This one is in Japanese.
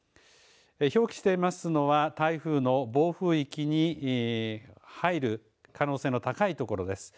表記していますのは台風の暴風域に入る可能性の高いところです。